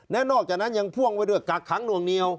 และนอกจากนั้นยังพ่วงไว้ด้วยกักขังหน่วงเหนียว